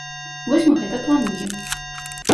Вось мы гэта плануем.